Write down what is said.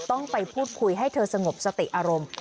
ต้องไปพูดคุยให้เธอสงบสติอารมณ์